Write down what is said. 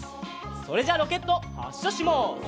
それじゃロケットはっしゃします。